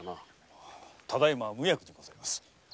ただ今は無役でございます。